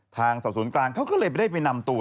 ทางสอบศูนย์กลางเขาก็เลยได้ไปนำตัว